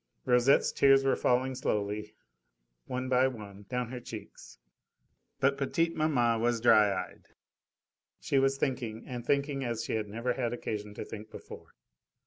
Rosette's tears were falling slowly, one by one down her cheeks, but petite maman was dry eyed. She was thinking, and thinking as she had never had occasion to think before.